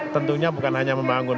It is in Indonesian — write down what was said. tentunya bukan hanya membangun